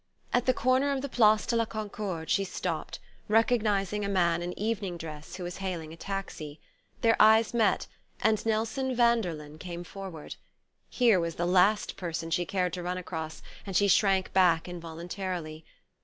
At the corner of the Place de la Concorde she stopped, recognizing a man in evening dress who was hailing a taxi. Their eyes met, and Nelson Vanderlyn came forward. He was the last person she cared to run across, and she shrank back involuntarily.